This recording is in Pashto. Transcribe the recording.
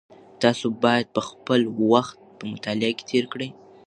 تاسو باید خپل وخت په مطالعه کې تېر کړئ.